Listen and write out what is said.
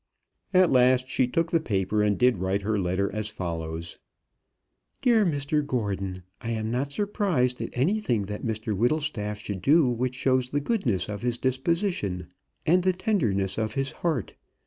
At last she took the paper and did write her letter, as follows: DEAR MR GORDON, I am not surprised at anything that Mr Whittlestaff should do which shows the goodness of his disposition and the tenderness of his heart.